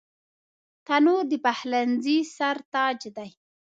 تنور د پخلنځي سر تاج دی